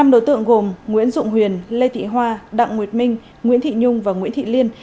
năm đối tượng gồm nguyễn dụng huyền lê thị hoa đặng nguyệt minh nguyễn thị nhung và nguyễn thị liên